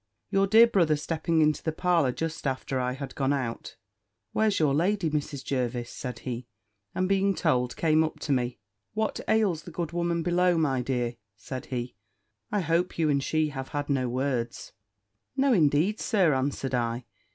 Your dear brother stepping into the parlour just after I had gone out, "Where's your lady, Mrs. Jervis?" said he. And being told, came up to me: "What ails the good woman below, my dear?" said he: "I hope you and she have had no words?" "No, indeed, Sir," answered I.